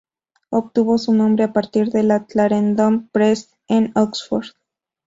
Obtuvo su nombre a partir de la Clarendon Press en Oxford.